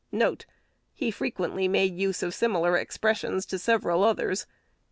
"1 1 He frequently made use of similar expressions to several others.